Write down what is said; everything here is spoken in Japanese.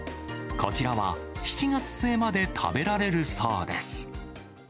こちらは７月末まで食べられるそうです。